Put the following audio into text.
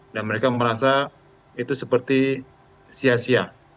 dan mereka merasa itu seperti sia sia